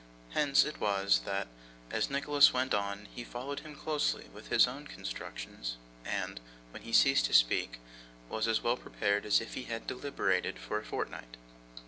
Hence it was that, as Nicholas went on, he followed him closely with his own constructions, and, when he ceased to speak, was as well prepared as if he had deliberated for a fortnight.